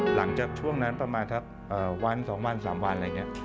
หลังจากช่วงนั้นประมาณวัน๒๓วัน